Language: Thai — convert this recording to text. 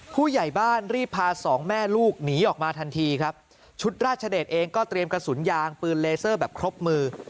ผู้ใหญ่บ้านรีบพาสองแม่ลูกหนีออกมาทันทีครับชุดราชเดชเองก็เตรียมกระสุนยางปืนเลเซอร์แบบครบมือ